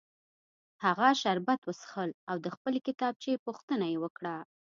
هغه شربت وڅښل او د خپلې کتابچې پوښتنه یې وکړه